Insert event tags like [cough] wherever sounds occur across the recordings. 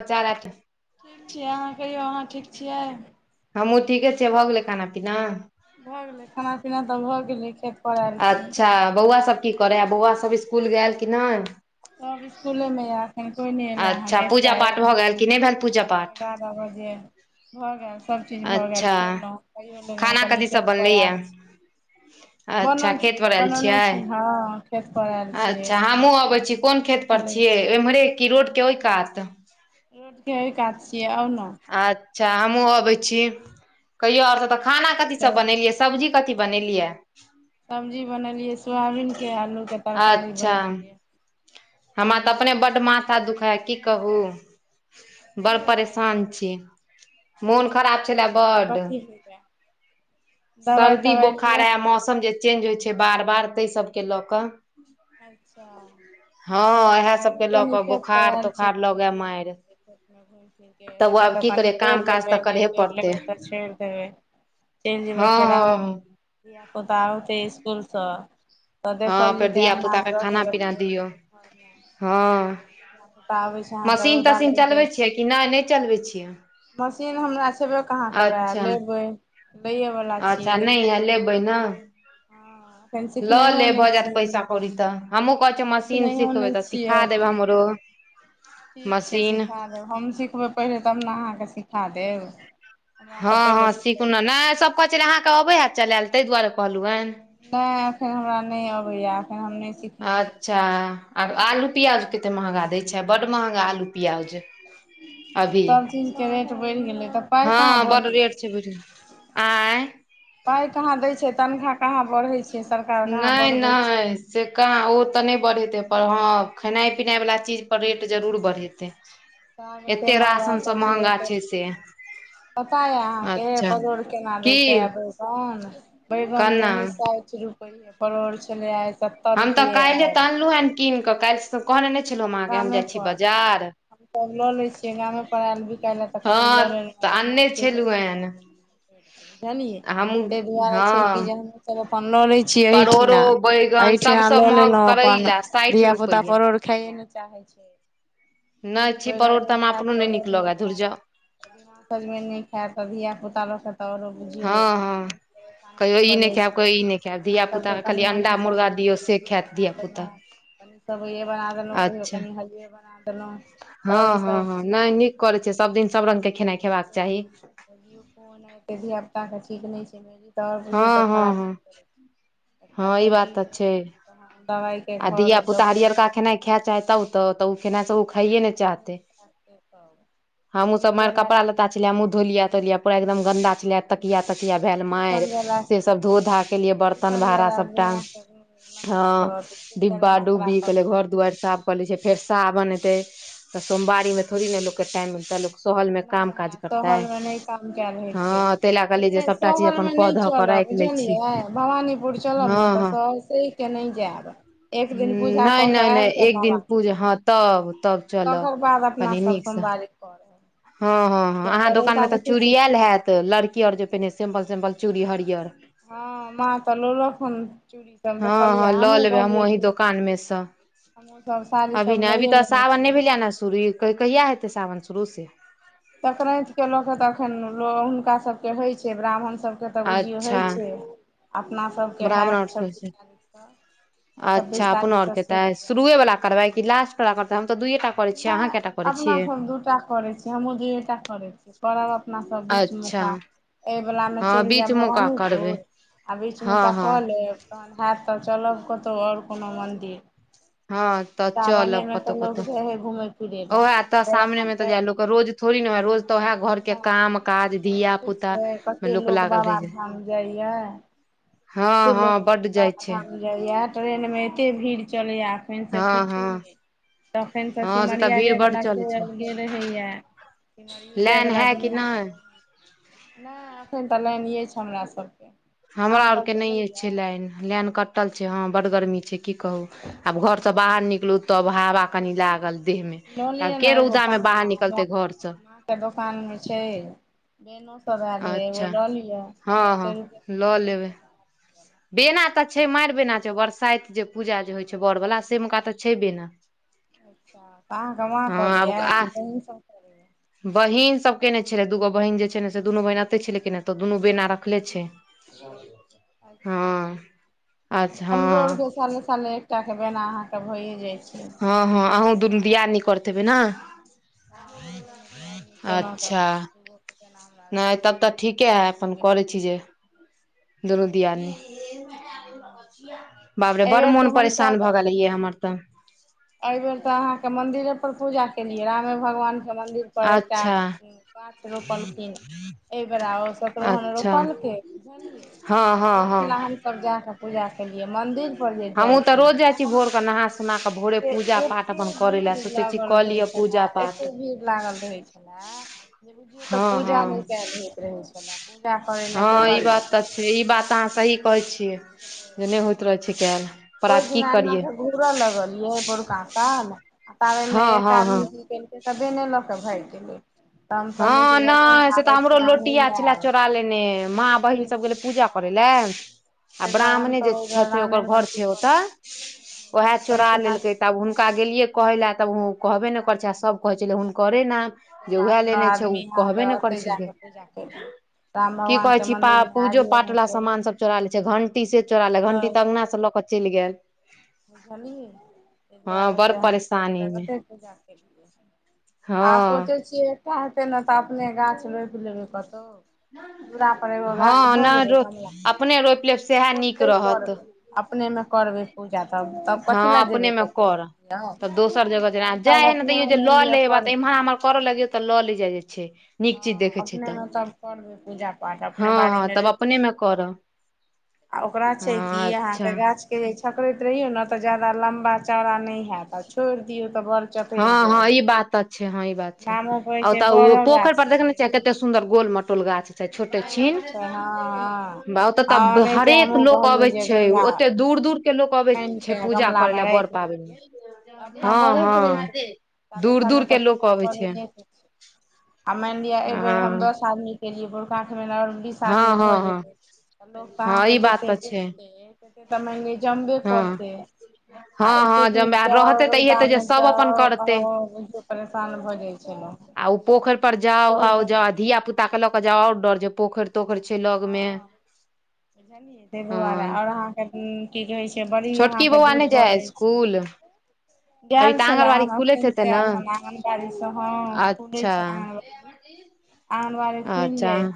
पोचारा [unintelligible] ठीक छियै, अहाँ कहियौ, अहाँ ठीक छियै? हमहुँ ठीके छियै, भऽ गेलै खाना पीना? भऽ गेलै, खाना पीना तऽ भऽ गेलै। [unintelligible] छी अच्छा, बौआ कनि सभ की करै या, कहलियै बौआ सभ इसकुल गैल कि नय? सब इस्कुले मे या, एखन कोइ नहि एला हन, अच्छा पूजा एकटा पाठ अएला भऽ गेल कि नहि भेल पूजा हँ। पाठ बारह बजे। भए गेल, सभ चीज भए गेल, अच्छा खेलहुँ, खाइयो लेलहुँ, खाना कनि कथी सब खेत पर बनलैया आयल छी। अच्छा खेत पर आयल बनल-बनल अइछ छियै हँ, खेत पर आयल छीयै। कहय छी कोन खेत पर छियै एम्हरे की रोड के ओइ कात? रोडके अय कात छियै आउ ने। अच्छा हमहुँ अबे छी कहियो आर सब बुलैत त बुलैत खाना कथी चलि सब आयब बनेलिये? सब्जी कथी बनेलियै? सब्जी बनेलियै सोयाबीन के आलू के तरकारी अच्छा बनेलियै। हमरा तऽ अपने बड माथ दुखाइये की कहू बड़ की होइया यै परेशान छी मोन खराब छै कथी [unintelligible] दबाइ सर्दी तबाइ बोखार लिअ आ मौसम जे चेंज होइ छै। बार-बार ताहि सबके लऽ कऽ अच्छा हँ इह हमहूँ सबके लऽ कनि क खेत पर आयल छी बोखार-तोखार कनि लऽगा देखै मारि छियै घुमि फिर के तब हेतै आब तऽ की कान करियै काम तोड़ि काज लेबै। तऽ नहि करहे तोड़ि पड़तै लेबै तऽ छोड़ि देबै। चलि जेबै हँ फेर हँ धिय, पुता होतै इसकुलसँ तऽ देखल जेतै। धि, पुता अङ्गनामे के रहतै खाना तऽ पीना फेर एतै दियऔ दुपहरमे हँ। धिया पुता आबै छै अहाँके रौदा मशीन-तशीन लागि जाइ चलबै छियै। छै कि नहि-नहि चलबै छियै। मशीन हमरा छ। लैएवला अच्छा-अच्छा छियै नहि देखियौ यह लेबै ने। हँ एखन लऽ सिखनैहो ले भऽ नहि जायत छियै पैसा कौड़ी तऽ हमहहुँ कहै छियै मशीन सिखनैयो नै सिखबै तऽ छियै सिखा देब एखन हमरो [inaudible] ठीक छै मशीन सिखा देब हम सिखबै पहिले, तब ने अहाँकेँ सीखा देब। हमरा तऽ पहिले हँ-हँ सिखु ने सिखब ने सभ कहै छलिय अहाँके अबै हैत चलायल ताहि दुआरे कहलहुँन। नहि अखन हमरा नहि अबैया अखन हम नहि। अच्छा आ आलू प्याज कतेक महगा दै छै। बड्ड महँगा आलू प्याज सभ चीजके रेट बढ़ि गेलै तऽ पााय कहाँ बढ़। चल बुझ आँय पाइ कहाँ दै छै, तनखाह कहाँ बढ़ैत छै, सरकार कहाँ नहि बढ़बैत छै। नहि तऽ से काँ ओ तऽ नहि बढ़ेतै पर हँ, खेनाइ पिनाइ वला चीज पर रेट जरूर बढ़ेतै। अहाँके एते महगा राशन सब सब्जी महगा एते छै से पता य अहाँके अच्छा परोड़ केना दै की छै आ बैगन, बैगन दे केना हे सा। ू परोर छलै आय सभ। हम तऽ काल्हिे तऽ अनलहुँ हेँ कीन कऽ काल्हिसँ त कहनेने छलहुँ हम अहाँकेँ हम जाइ छी बाजार। तब लऽ लै छियै। गामे पर आयल बिकायल तऽ पनीर कनि हँ लऽ तऽ लेलहु बज़ार आनने के छलहुँ हेन ज़ाब बुझलियै ताहि हमहूँ दुआरे छै कि हँ जे हमहुँ सब अपन लऽ ले छीियै परोड़ो एहिठिना बैगन एहिठ हँ सभसँ लऽ महग लेलहुँं अपन, करैला साठि धिय पुता रुपैआ परोड़ खाइए ने चाहे छै। नहि छी बैगन परोड़ तऽ हम अपनो नहि नीक लगै धुरज। मा सजमनि नहि खायत तऽ धियिया पुता लोक तऽ ओरो। हँ-हँ कहियो ई नहि जाइ खायब छै कहिो ई नहि खायब एकरा सभके धियापुताके कनि खाली मनि अण्डा सब मुर्गा दियौ से खायत बना देलहुँ धियापुता कनि सबइए बना देलहुँ। कहियो कनि हलए बना देलहुँ। तब हँ हँ ईसभ हँ खा नहि नीक करै छै। सब दिन सभ रंगग के खेनाइ खेबाक चाही। फन धिय पुतााके ठीक नहि छै। तर हँ बुझौ तऽ हँ खराब नहि हँ कर एकटा हँ ई छै बात कि तऽ जे छै तहन दबाइ के घर डॉक्टर खा चाहता तऽ त खेना खाइे ने चाहते हमू इसकुल सबर जाइला कपड़ा लत्ता छलैहमूँ ट्यूशन धोलिया तोलिया पेर एकदम गन्दा छलै। तकिया तकिया भेल मारि, जाइला से सब धो धा के एलिऐ बर्तन भाड़ा सभटा मस प [unintelligible] डिब्बा डुब्बी कहलक घर दुआरि साफ क लै छियै, फेर सावन एते तऽ सोमवारी मे थोड़ी ने लोको के टाइम मिलतै, लोक सहल मे काम काज नहि करतै, सहल मे नहि काम कैल होइ छै हँ ताहि लए कहलियै जे यै सबटा चीज सहल अपन मे कऽ नहि धऽ के राखि चलब लै छी बुझलियै भवानीपुर चलब हँ ने तऽ हँ सब, कहिके नै जायब। एक दिन पूजा नहि कऽ के नहि नहि, आबि जायब एक दिन बाबा पूज के हँ तब तब चलब तकर बाद अपना कनी सब नीकसँ सोमवारी करब। हँ हँ हँ, किया अहाँ दोकान रौदा मे तऽ देखै चूड़ी छियै आयल केहन रहै छै हयत, लड़की आर जे पहिने सिम्पल सिम्पल चूड़ी हरियर। हँ मा तऽ ले लक हन चूड़ी। सब हँ हँ देखलियै लऽ हमहूँ लेबै हमहु कहलियै ओहि कि दोकान मे सँ हमहूँ सब साड़ी अभी सब नै लए अभी तऽ लेने सावन छियै नहि आब भेलै ने चूड़ी शुरू, लेबै कहिया हेते सावन शुरू से? संक्रान्ते लऽ क तऽखन हुनका सभके होइत छै, ब्राह्मण सभके तऽ बुझियौ अच्छा होइ छै। अपना सभके ब्राह्मण हैत आओर कहै छब्बीस छै, तारीखसँ छब्बीस तारीखसँ शुरु। शुरूएवला करबै कि लास्टवला करबै, हम त दुइए टा करै छियै अहाँ नहि कएटा करै अपना छियै सब दुइयैटा करैत छियै हमहूँ दूइएटा करैत छियै कर अपना सब अच्छा बीचमेसँ एहि वला मे हँ चलि बीच जायब मौका भवानीपुर करबै आ बीच हँ मका हँ कऽ लेब तखन हैत तऽ चलब कतहु और कोनो मन्दिर। हँ तऽ सावने चलब मे तऽ कतहु लोग कतहु, जाइ है घूमे फिरे ओ लए तऽ फेर सामने मे तऽ अहाँके जा नहि लोक रोज थोड़ि ने होइ रोज तऽ वैह घर के काम काज एखन धिया देखै पुता छियै मे कते लोक लागल रहै छै। बाबाधाम जाइया हँ हँ बड जाइ छै। यैह ट्रेनमे एते भीड़ चलैए एखन से हँ पुछू हँ नहि तखैन तऽ हँ से सिमरिया भीड़ जाय बड्ड वाला चलै से छै गेल रहैये, सिमरियो लाइन है कि नै? नै एखन तऽ लाइन अछि हमरा सभके। हमरा अहाँ आर के सभके नहि छै लाइन, लाइन कटल छै हँ बड गर्मी छै की कहू। आब घर से यऽ बाहर निकलू तब हवा कनि लागल देह में लऽ त लियै आब ने के एगो रौदा में पंखा बाहर हमरा निकलतै घर से माँ दोकान मे छै। बेनो सभ आयल रहे एगो अच्छा लऽ लिअ, हँ हँ दसे रुपैआ लऽ तऽ दै छै। [inaudible] बेना तऽ छै मारि बेना छै, बरसाइत जे पूजा जे होइ छै बरवला से का तऽ छै बेना। अहाँ के मा हँ आब करैये आ कि अहुं सब। करैया बहिन सब केने छलै दूगो बहीन जे छै ने से दुनू बहिन अते छलै के तऽ दुनू बेना रखले छै। [inaudible] हँ अच्छा, अच्छा हमरो आरके साले साले एकटा बेना अहाँके भइये जाइ छै। हँ हँ अहुं दुनु दियादनी करैत हेबै ने। हँ दुनू देयादनी केलहुँ तऽ अच्छा अपना के बेना हमरा आरके नहि तब रोज तऽ होइ ठीके है, छै साल अपन मे करै छी जे। दुनु दियादनी। बाब रे एहि बड़ बेर मोन तऽ परेशान भऽ हमसभ गेल यै हमर तऽ एहि बेर तऽ अहाँके मंदिरे पर पूजा केलियै रामे भगवान के मंदिर पर एकटा। अच्छा गाछ रोपलखिन एहि बेेरा ओ शतरोहन रोपलकै, बुझलियै। हँ-हँ-हँ। सब जाकऽ पूजा केलियै मन्दिर पर जे जाइ हमहूँ तऽ रोज जाइ छलहुँ छी हँ भोरके नहा सुना कऽ भोरे से पूजा पाठ अपन एते करै लए भीड़ सोचै छी लागल कऽ रहे लिअ छलए, पूजा पाठ एते भीड़ लागल रहे छलए। जे बुझौ तऽ हँ पूजा नहि हँ कयल होइत रहे छले पूजा करे ल कोई हँ ई बात परसादे तऽ फ छै द ई बात अहाँ सही छले। कहै छियै जे नहि होइत रहै छै कल पर आब की करियै। पूरा लगलियै भोरकासा ने आ ताबेमे हँ एक हँ हँ आदमी की केलक। तबे नहि लऽ कऽ भागि गेलै तऽ हम कहलियै कि हँ जे नहि से तऽ आबै हमरो छिना नहि लोटिया छले आयब चोरा लेने माँ एते बहिन भीड़ सब मे गेले नहि पूजा कर आयब ले आ ताहि दुआरे ब्राह्मणे जे हमसभ ओहि बेर छथि रामे ओकर घर मन्दिर छै पर ओतऽ, ओएह चोरा ओहिठिना लेलकै तऽ आब हुनक। हका गेलियै कहे ले तब ओ हमसभ कहबे ने करै छै आ सब कहे छलै हुनके नाम जे सब आठ उएह ले। नओ छै ओ आदमी अहाँ के कहबे नहि करै ओते छलै। जाके पूजा केलियै राम की भगवान कहे के छी पा मंदिर मे आगे पूजो-पाठ मे वाला सान सब चोरा ले छै घंटी से चोरा ले घंटी तऽ अंगगना छोड़ू से ल के। चिल गेल। बुझलियै ताहि हँ दुआरे बड़ से हम परेशानी मे तोगते पूजा केलियै। आ हँ सोचै छियै एकटा हेतै ने तऽ अपने गाछ रोपि लेबै कतहु। दुरापर एगो गाछ हँ भऽ नहि जेबै रो गमलाे अपने रोपि लेब सएह नीक ओतहि रहत करबै। अपने मे करबै पूजा तब तब कथी हँ लए अपने जेबै मे कतहु कर मानि लिअ तऽ दोसर जगह जे तहन जाइ तब है ने अपने तैयो मे जे मानि लऽ लिअ लेब तऽ करबै इम्हर हमर पर लाग तऽ लल जाइ। छै नीक हँ चीज देखै छै तऽ अपनेमे तब करबै पूजा-पाठ हँ अपने हँ बाड़ीमे तब रोपय अपने मे देबे। करब आ ओकरा छै की हँ आहाँ अच्छा के गाछ के जे छकड़ैत रहियौ ने तऽ जादा लम्बा चौड़ा नहि होयत आ छोड़ि औ तऽ बर चतइर जाय ह ई बात छै आ तऽ बड़ो पोखरि गाछ पर देखने छियै छिय कते सुंन्दर गोल मटोल गाछ छोटे मोल छिन छै हँ हँ ब ओतऽ हँ तऽ ओनाहिते हरेक हमहूँ लोक कहलियै अबै जे छै गंगा ओते दूर-दूर के लोक अबै आनि छै कऽ पूजा करे गमलामे लए बड़ राखि पाबनि देतियै मे तऽ अपना बढ़ैत हँ-हँ रहैत ते साले साले दूर-दूर तऽ के लोक पूजा अबै छै। करैए के आ मानि लिअ ए बेेर हम हँ दस आदमी लियै बुरकाख म ओर बीस हँ आदमी हँ भए हँ जेबे लोक तऽ हँ ई अहाँके बात जेते तऽ छै बुझते से तऽ मान लिय जमबे हँ करतै। आ हँ एते हँ दूर जमे जाउ रहते तऽ ई रौदा हेतै जे मे सब अपन जाउ, करते आउ बुझियो परेशान भऽ जाय छलो। आ ओ पोखरि पर जाउ आ जा धिया पुता के हुनका लऽ क पूजा जाउ नहि ओर होइ डर जै छलै पोखरि तोइखर छै लग मे हँ बुझलियै ताहि दुआरे आओर हँ। अहाँके की कहै छै बड़ी छोटकी अहाँके बौआ दूर नहि जे भऽ जाइ छै स्कूल? अभी गेल तऽ छले आंगनबाड़ी हम खुलैत अखन हेते से ने आयल हन आंगनबाड़ी से हँ अच्छा कि आँगनबाड़ी खुल जाय।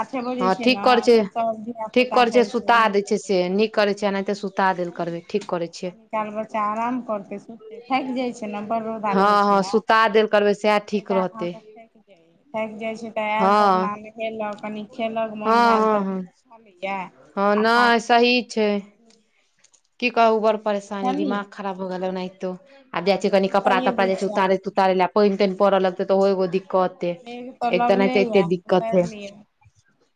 आठे बजे हँ छे ने ठीक कर छै फेर त ठीक धियापुता करै छियै ख छै सुता ब दै कर से नीक करै छियै एनाहिते सुता देल करबै ठीक करै छियै कनी काल बच्चा आराम करतै सुततै थाकि जाइ छै ने बड़ रौदा हँ रहै। छै हँ ने सुता देल करबै सएह ताहि लए ठीक कऽ रहतै। अहाँके थाकि जाइ थाकि जाइत छी तऽ आयल हँ तऽ अपना नहेलक कनी खेलक मोन हँ भेल हँ तऽ हँ होमया हँ नहि सही छै। की कहू बड़ परेशानी बुझलियै दिमाग खराब हो गेल। ओनाहितो आब जाइ छी। तऽ कनि कपड़ा सुताइए तपड़ा दै जे छै। छियै आब उतारै तुतारे ल पानि तानि परऽ लगत। तऽ ओहो एगो् मेघ त लगले। य दिक्कत उताइर हे लिय।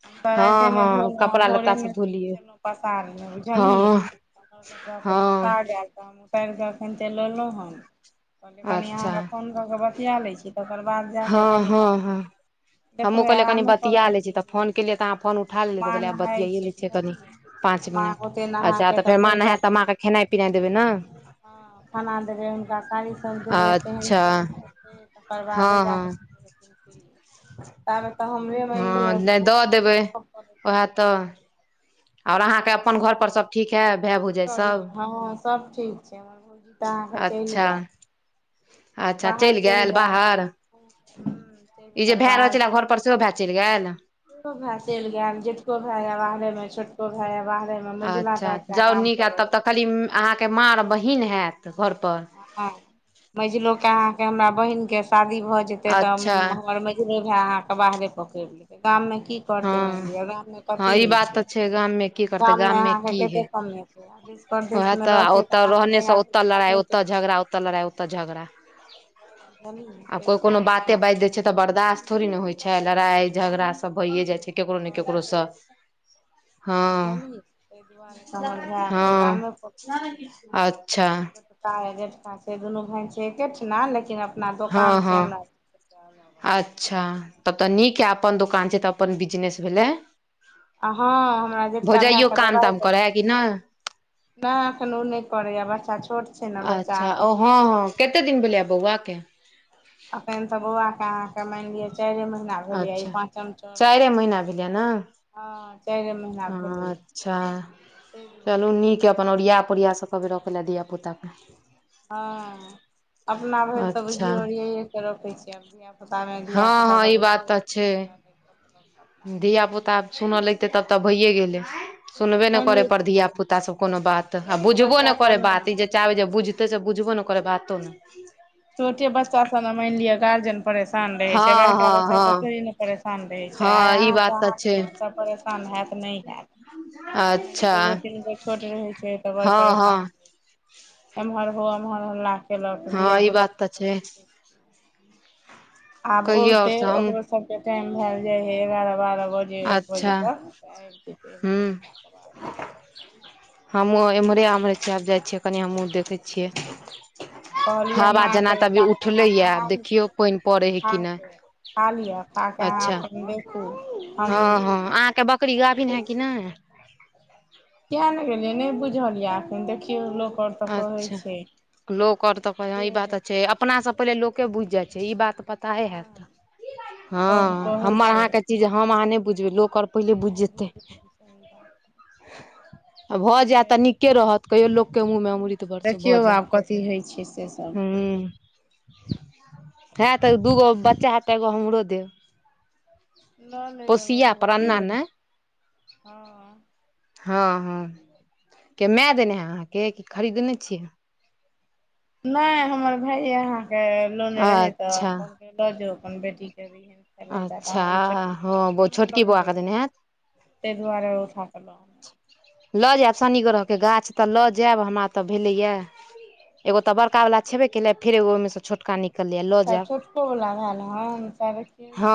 हम तऽ हँ राइतेमे हँ धोलहुँ। आ कपड़ा भोरे लत्ता सब मे धोलियै छलहु। पसार ने बुझलियै। हँ क कपड़ा त सुखा हँ गेल। तऽ हम उतारि कऽ एखन ते लेलहुँ हन। कहलियै कनि अच्छा अहाँके फोन कऽ कऽ बतिया लै छी। तकर बाद जा क हँ हँ हँ हमहूँ देखबै कहलियै कनि आरामे बतिया करबय। लै छी की तऽ फोन केलियै तऽ अहाँ फोन उठा लेलियै बा तऽ कहलियै आब नहाइ बतियाइए छै। लै छियै कनि बुझलियै। पाँच तऽ मिनट माँग ओतै नहा अच्छा कऽ तऽ माँ फेर जा नहायत तऽ कऽ माँके खाना खेनाइ पिनाइ देबै ने हँ खाना देबै। हुनका साड़ीसभ देबै। अच्छा पेहनतै खैते। तकर बाद हँ जा हँ कऽ ताबे तऽ हमरे मान लिअ। उहे तऽ और अहाँके अपन घर पर सब ठीक हैब। की करिय हँ सब ठीक छै। हमर भोउजी तऽ अहाँके चलि अच्छा गेल। अच्छा बाहर चलि गेल। बाहर हूँ चलि ई जे गेल भेए रहल छलै। घर पर सेहो भेए चलि गेल। दुनु भेय चलि गेल। जेठको भेय या बाहरे मे छोटको भेय या बाहरे मे। मझिला अच्छा टा एकटा जाउ गाम नीक पर आयत। तब तऽ रहैया कहली अहाँके माँ आ बहीन हैत। घर पर ह मझिलो के अहाँ के हमरा बहिन के शादी भए जेते। तऽ अच्छा हमर दुनु भाय अहाँके बाहरे पकड़ लेतै गाममे। की करतै। मानि हँ लिअ गाम मे हँ कथी ई होइ बात छै। तऽ गाममे की करतै गाम में गाममे अहाँ के की हइ कते कमे देश परदेश उएह मे रह तऽ ओतऽ रहने से ओतऽ लड़ाइ ओतऽ झगड़ा ओतऽ लड़ाइ ओतऽ झगड़ा खलि अय आब कोइ कोनो बाते बाजि दय छै। तऽ बर्दश्त थोड़ी ने होइ छै। लड़ाइ भऽ झगड़ा सभ भइए जाइ छै। ककरो ने ककरो जाइ सँ छै बुझलियै ताहि दुआरे त हमर भाय अपन हँ कामे पर भेजला अच्छा और ता जेष्ठका छै। दुनू भाय छै। एकेठना लेकिन अपना हँ दोकान छै हँ। हमरा अच्छा तब तऽ नीक य अपन दोकान छै। तऽ अपन बिजनेस भेलै। आ हँ हमरा जेष्ठका भाय भौजाइयो कऽ काम दवाइ ताम देतै। करै है कि नाय नहि एखन ओ नहि करैया। बच्चा छोट छै ने बच्चा अच्छा ओ एखन हँ हँ कते दिन भेलया बौआके। अखन तऽ बौआ के अहाँके मानिलिय चायरे मह हमरा भेलय अच्छा पाँचम चलय। चाइरे महीना भेलै ने ह हँ चायरे महीना भेलै। हँ अच्छा चलू नीक अपन ओरिया पोरिया से पकड़ब धियापुताके हँ अपना भरि तऽ अच्छा बुझियो। ओरिया ये के रखे छी धिया हँ हँ ई बात तऽ छै। अपना धियापुता अब सुनऽ लगतै। तब तऽ भइए गेलै। सुनबे नहि मानि करै पर लिअ धियापुतास सब कोनो बात तऽ आ छोटे बुझबो बच्चा न करै सबमे बात ई जे चाहबै। जे बुझतै से बुझबो। न करै बातो न छोटे बच्चा सब ने मानि लिअ गार्जियन परेशान रहै छै। हँ बड़का हँ बच्चा हँ सब थोड़े न परेशान रहैत छै। आइ हँ ई अहाँ बात सँ तऽ आहाँ के छै माँ सब परेशा परेशान हैत नहि हैत। आ वएह में जे अच्छा दूगो तीन गो छोट रहैत छै। तऽ बड़ हँ हँ परेशानी एमहर हो ओम्हर हल्ला कयलक हँ ई बात तऽ छै धियापुताके आब कहियौ आओर औते हम ओकरो सब के टाइम भेल जाय हे एगारह बारह बजे एक बजे अच्छा तक आबि जेतै एक दू हूँ घण्टाके बाद हमहूँ एम्हरे आम्हरे छियै आब जाइ छियै कनि हमहूँ देखै छियै कहलियै हबा जेना माँके जे तऽ अभी ताबे अहाँ उठलैए नहा आब देखियौ पानि पड़ै हइ कि नै खाके खा के अहाँ अपन [unintelligible] हँ हम हँ अहाँके बकरी गभिन देखै है कि छी नै किया नै गेलियै नहि बुझल यऽ एखन देखियौ लोक आओर तऽ कहै अच्छा छै लोक आर तऽ कह जे ई बात हइ छै अ अपना से पहिले लोके बुईझ जाय छै ई बात त पताए हँ हैत हँऽ सब कहै हमर छै आहाँ के चीज हम अहाँ नहि बुझबै लोक आओर पहिले बुझि नहि जेतै बुझु सही बात [unintelligible] आ भऽ जायत तऽ पहिले नीके रहत कहियो लोक देखियौ आब कथी होइ छै से सभ हू हे तऽ दूगो बच्चा है तऽ एगो हमरो देब ल लेब पोसिया पर एगो अन्ना नहि [unintelligible] हँ हँ हँ हँ के माय देने है अहाँके की खरीदने छियै नै हमर भाये अहाँके लेने रहै तऽ अच्छा कहलकै लऽ जाउ अपन बेटी के दिहें खेलै लए तऽ अच्छा हमर छोटकी हँ ओ छोटकी बौआ क देने हैत तय दुआरे उठा के ल लेलों लऽ जायब शनि ग्रह के गाछ तऽ लऽ जायब हमरा ओतऽ भेलैया एगो त बड़का अच्छा वाला छबे केले फेर एगो ओहिं से छोटका नि अच्छा छोटको बला भेल हँ साढ़े तीन हँ